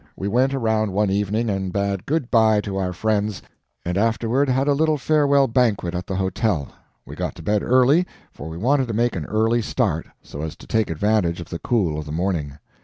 We went around one evening and bade good by to our friends, and afterward had a little farewell banquet at the hotel. We got to bed early, for we wanted to make an early start, so as to take advantage of the cool of the morning.